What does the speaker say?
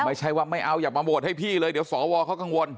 ไม่ใช่ว่าไม่เอาอย่ามาโหวตให้พี่เลยเดี๋ยวสวเขากังวล